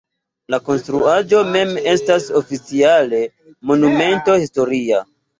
La konstruaĵo mem estas oficiale Monumento historia.